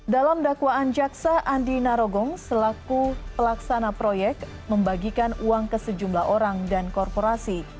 dalam dakwaan jaksa andi narogong selaku pelaksana proyek membagikan uang ke sejumlah orang dan korporasi